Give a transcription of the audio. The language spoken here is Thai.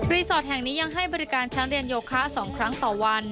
แห่งนี้ยังให้บริการชั้นเรียนโยคะ๒ครั้งต่อวัน